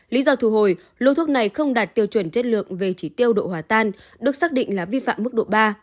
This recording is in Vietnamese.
lý do thu hồi lô thuốc này không đạt tiêu chuẩn chất lượng về chỉ tiêu độ hòa tan được xác định là vi phạm mức độ ba